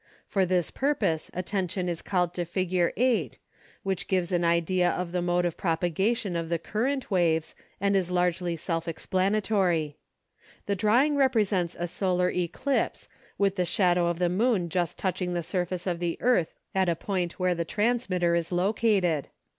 For this purpose attention is called to Fig. 8, which gives an idea of the mode of propagation of the current waves and is largely self explanatory. The drawing represents a solar eclipse with the shadow of the moon just touching the surface of the earth at a point where the transmitter is located.